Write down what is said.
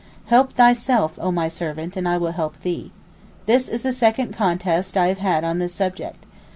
—"Help thyself, oh my servant, and I will help thee."' This is the second contest I have had on this subject.